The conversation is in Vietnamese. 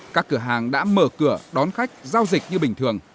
các cửa hàng đã mở cửa đón khách giao dịch như bình thường